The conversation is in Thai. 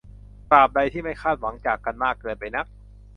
ตราบใดที่ไม่คาดหวังจากกันมากเกินไปนัก